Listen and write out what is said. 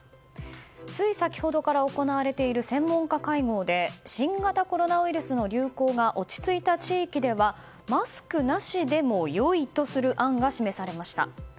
つい先ほどから行われている専門家会合で新型コロナウイルスの流行が落ち着いた地域ではマスクなしでも良いとする案が示されました。